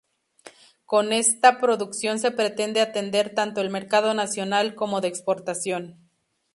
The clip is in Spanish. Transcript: Con esta producción se pretende atender tanto al mercado nacional como de exportación.